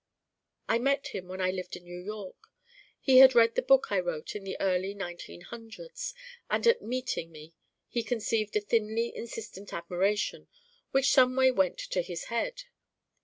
I met him when I lived in New York. He had read the book I wrote in the early nineteen hundreds and at meeting me he conceived a thinly insistent admiration which someway went to his head.